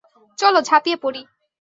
চলো ঝাপিয়ে পড়ি।